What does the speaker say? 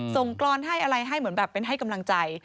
กรอนให้อะไรให้เหมือนแบบเป็นให้กำลังใจ